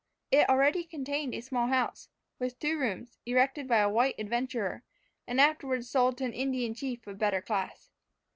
It already contained a small house, with two rooms, erected by a white adventurer, and afterwards sold to an Indian chief of the better class.